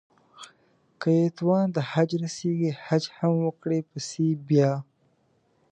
که يې توان د حج رسېږي حج هم وکړي پسې بيا